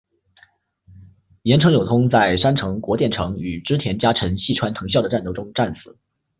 岩成友通在山城国淀城与织田家臣细川藤孝的战斗中战死。